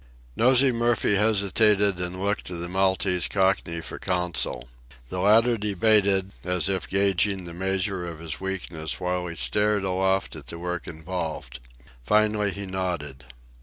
Nosey Murphy hesitated and looked to the Maltese Cockney for counsel. The latter debated, as if gauging the measure of his weakness while he stared aloft at the work involved. Finally he nodded.